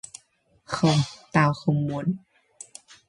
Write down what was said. Không Tao không muốn